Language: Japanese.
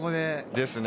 ですね